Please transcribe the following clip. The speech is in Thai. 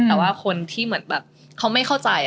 แต่ว่าคนที่เหมือนแบบเขาไม่เข้าใจ